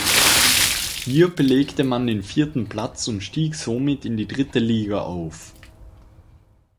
Hier belegte man den vierten Platz und stieg somit in die dritte Liga auf.